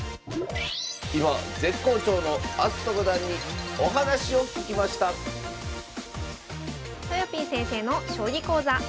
今絶好調の明日斗五段にお話を聞きましたとよぴー先生の将棋講座。